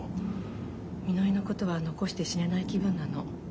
みのりのことは残して死ねない気分なの。